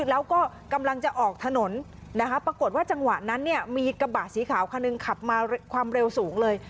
แล้วก็กำลังจะออกถนนนะคะปรากฏว่าจังหวะนั้นเนี่ยมีกระบะสีขาวคันหนึ่งขับมาความเร็วสูงเลย